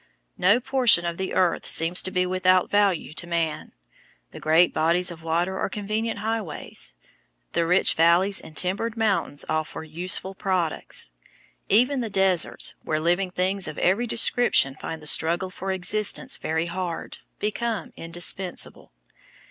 No portion of the earth seems to be without value to man. The great bodies of water are convenient highways. The rich valleys and timbered mountains offer useful products. Even the deserts, where living things of every description find the struggle for existence very hard, become indispensable.